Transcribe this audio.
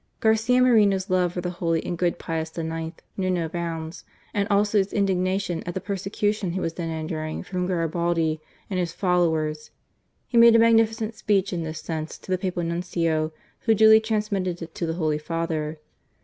Garcia Moreno's love for the holy and good Pius IX., knew no bounds and also his indignation at the persecution he was then enduring from Garibaldi and his followers. He made a magnificent speech in this sense to the Papal Nuncio, who duly transmitted it to the Holy Father.